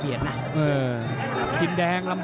เผ่าฝั่งโขงหมดยก๒